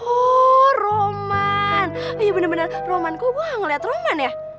oh roman oh iya bener bener roman kok gue gak ngeliat roman ya